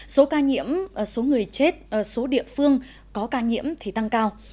số ca nhiễm số người chết số địa phương có ca nhiễm thì tăng cao